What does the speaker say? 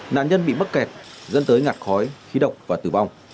nạn nhân bị mắc kẹt dẫn tới ngạt khói khí độc và tử vong